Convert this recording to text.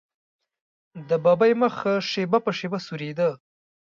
د ببۍ مخ شېبه په شېبه سورېده.